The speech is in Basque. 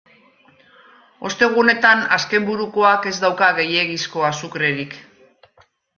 Ostegunetan azkenburukoak ez dauka gehiegizko azukrerik.